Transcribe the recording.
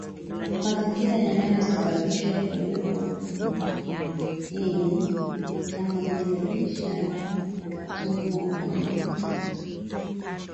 Mazingira yanayosababisha kuwepo Kipijini ni kama vile biashara utumwa ukoloni